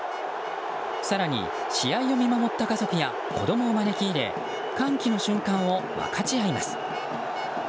更に、試合を見守った家族や子供を招き入れ歓喜の瞬間を分かち合います。